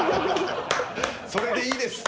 それでいいです。